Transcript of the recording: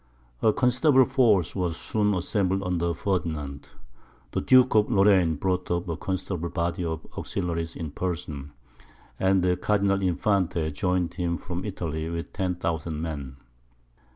A considerable force was soon assembled under Ferdinand; the Duke of Lorraine brought up a considerable body of auxiliaries in person, and the Cardinal Infante joined him from Italy with 10,000 men.